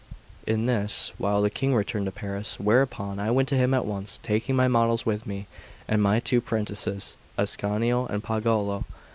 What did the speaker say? In this while the King returned to Paris; whereupon I went to him at once, taking my models with me, and my two prentices, Ascanio and Pagolo.